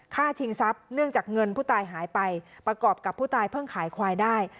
ชิงทรัพย์เนื่องจากเงินผู้ตายหายไปประกอบกับผู้ตายเพิ่งขายควายได้